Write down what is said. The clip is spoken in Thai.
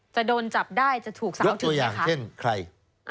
จะโดนจับได้จะถูกสาวถึงไหมคะยกตัวอย่างเช่นใคร